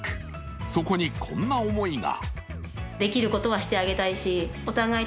そこに、こんな思いが。